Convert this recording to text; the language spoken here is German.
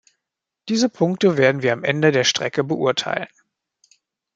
Diese Punkte werden wir am Ende der Strecke beurteilen.